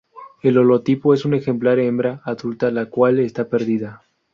El holotipo es un ejemplar hembra adulta, la cual está perdida.